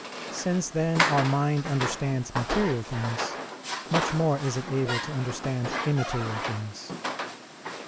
Since then our mind understands material things, much more is it able to understand immaterial things.